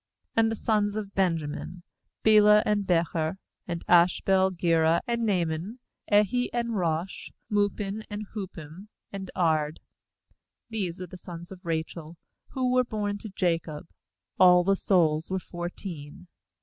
^And the sons of Benjamin: Bela, and Becher, and Ashbel, Gera, and Naaman, EM, and Rosh, Muppim, and Huppim, and Ard, ^These are the sons of Rachel, who were born to Jacob; all the souls were fourteen.